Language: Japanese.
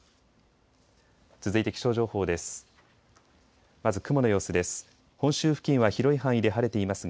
続いて気象情報です。